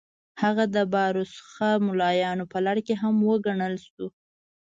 هغه د با رسوخه ملایانو په لړ کې هم وګڼل شو.